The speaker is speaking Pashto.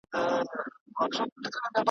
بخت مي لکه ستوری د یوسف دی ځلېدلی .